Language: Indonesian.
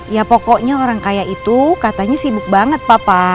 ya pokoknya orang kaya itu katanya sibuk banget papa